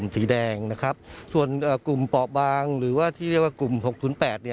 สีแดงนะครับส่วนกลุ่มป๋อบางหรือว่าที่เรียกว่ากลุ่ม๖ถุน๘